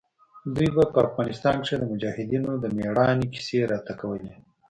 دوى به په افغانستان کښې د مجاهدينو د مېړانې کيسې راته کولې.